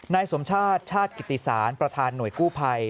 นายสมชาติชาติกิติศาลประธานหน่วยกู้ภัย